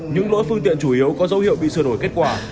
những lỗi phương tiện chủ yếu có dấu hiệu bị sửa đổi kết quả